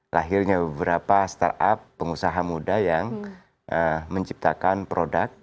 lahirnya beberapa startup pengusaha muda yang menciptakan produk